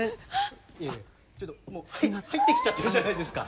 いやいやちょっともう入ってきちゃってるじゃないですか。